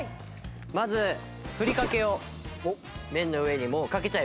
まずふりかけを麺の上にもうかけちゃいます。